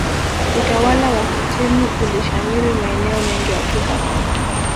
utawala wa kitemi ulishamiri maeneo mengi afrika